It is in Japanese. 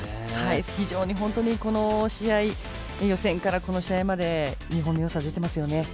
非常に本当に、この試合予選から、この試合まで日本のよさ、出てますね。